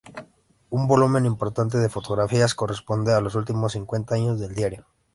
Un volumen importante de fotografías corresponde a los últimos cincuenta años del diario.